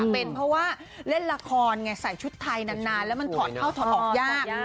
เป็นเพราะว่าเล่นละครไงใส่ชุดไทยนานแล้วมันถอดเข้าถอดออกยาก